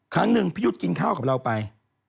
ครั้งหนึ่งพี่ยุทธ์กินข้าวกับเราไป